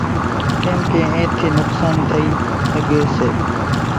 ڪيمڪي اِين ٿي نقصان ٿئي ۿڳي سي۔